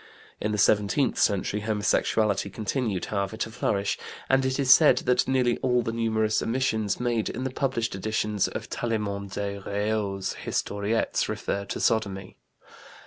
In the seventeenth century, homosexuality continued, however, to flourish, and it is said that nearly all the numerous omissions made in the published editions of Tallement des Reaux's Historiettes refer to sodomy.